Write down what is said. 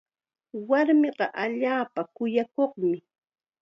Warminqa allaapa kuyakuqmi.